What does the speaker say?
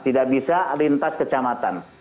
tidak bisa lintas kecamatan